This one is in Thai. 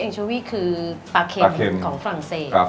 แองเชอวีคือปลาเค็มของฝรั่งเศส